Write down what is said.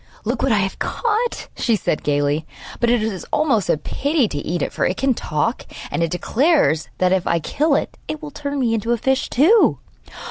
'Look what I have caught,' she said gaily; 'but it is almost a pity to eat it, for it can talk, and it declares that, if I kill it, it will turn me into a fish too.